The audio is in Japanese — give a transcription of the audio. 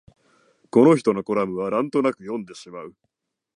この人のコラムはなんとなく読んでしまう